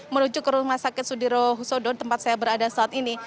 menuju ke rumah sakit sudirohusodo tempat saya berada saat ini